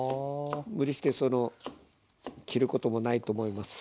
無理して切ることもないと思います。